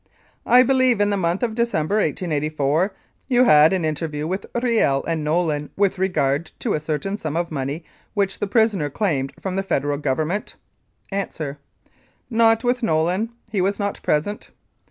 I believe in the month of December, 1884, you had an interview with Kiel and Nolin with regard to a certain sum of money which the prisoner claimed from the Federal Government ? A. Not with Nolin. He was not present.